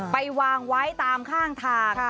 ไปวางไว้ตามข้างทาง